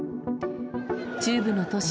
中部の都市